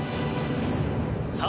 さあ